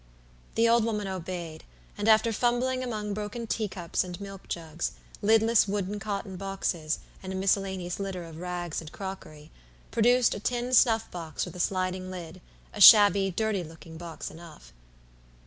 The old woman obeyed, and after fumbling among broken teacups and milk jugs, lidless wooden cotton boxes, and a miscellaneous litter of rags and crockery, produced a tin snuff box with a sliding lid; a shabby, dirty looking box enough.